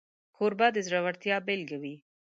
کوربه د زړورتیا بيلګه وي.